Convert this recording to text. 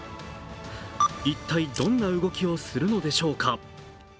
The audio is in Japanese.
一体どんな動きをするのでしょうか。